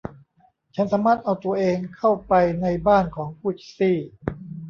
ฉันสามารถเอาตัวเองเข้าไปในบ้านของกุซซี่